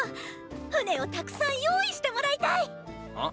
船をたくさん用意してもらいたい。あン？